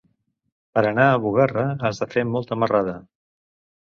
Per anar a Bugarra has de fer molta marrada.